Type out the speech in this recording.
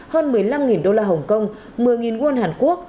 hơn một mươi năm usd hồng kông một mươi won hàn quốc